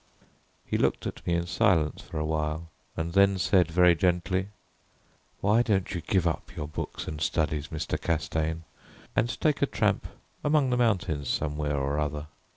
He looked at me in silence for a while and then said very gently, "Why don't you give up your books and studies, Mr. Castaigne, and take a tramp among the mountains somewhere or other?